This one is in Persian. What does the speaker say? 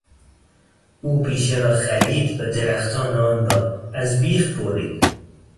او بیشه را خرید و درختان آن را از بیخ برید.